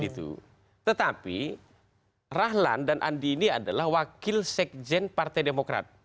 tetapi rahlan dan andi ini adalah wakil sekjen partai demokrat